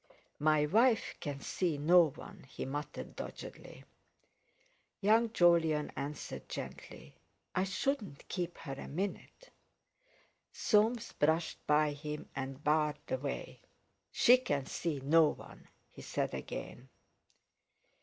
"My wife can see no one," he muttered doggedly. Young Jolyon answered gently: "I shouldn't keep her a minute." Soames brushed by him and barred the way. "She can see no one," he said again.